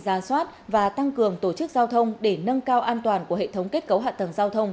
gia soát và tăng cường tổ chức giao thông để nâng cao an toàn của hệ thống kết cấu hạ tầng giao thông